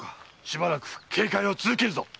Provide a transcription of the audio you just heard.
しばらく警戒を続けるぞ。